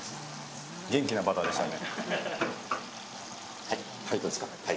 元気なバターでしたね。